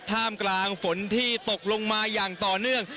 ท่ามกลางฝนที่ตกลงมาอย่างต่อเนื่อง